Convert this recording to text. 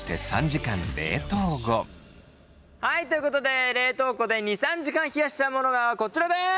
はいということで冷凍庫で２３時間冷やしたものがこちらです。